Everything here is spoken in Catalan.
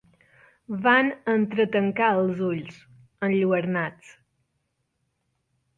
Van entretancar els ulls, enlluernats.